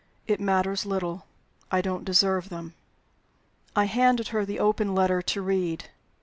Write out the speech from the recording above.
It matters little; I don't deserve them. I handed her the open letter to read.